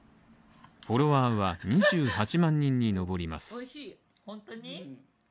フォロワーは２８万人に上ります。